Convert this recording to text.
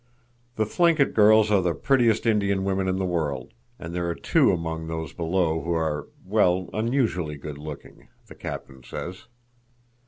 "The Thlinkit girls are the prettiest Indian women in the world, and there are two among those below who are—well—unusually good looking, the Captain says."